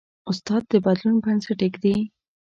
استاد د بدلون بنسټ ایږدي.